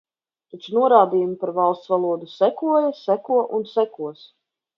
Taču norādījumi par Valsts valodu sekoja, seko un sekos.